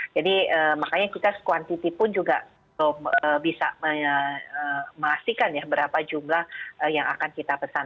jadi makanya kita sekuantiti pun juga bisa memastikan ya berapa jumlah yang akan kita pesan